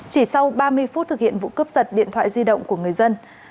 chỉ sau ba mươi phút thực hiện vụ cướp giật điện thoại di động của người dân